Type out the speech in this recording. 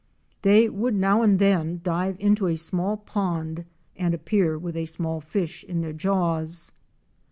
They would now and then dive into asmall pond and appear with a small fish in their jaws.